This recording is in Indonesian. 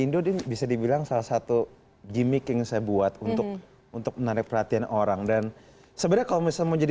indo ini bisa dibilang salah satu gimmick yang saya buat untuk untuk menarik perhatian orang dan sebenarnya kalau misalnya mau jadi